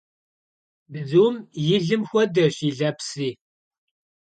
Bzum yi lım xuedeş yi lepsri.